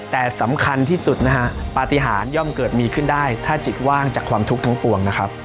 แต่สำคัญที่สุดนะฮะปฏิหารย่อมเกิดมีขึ้นได้ถ้าจิตว่างจากความทุกข์ทั้งปวงนะครับ